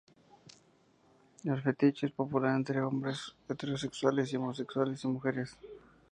El fetiche es popular entre hombres heterosexuales y homosexuales y mujeres.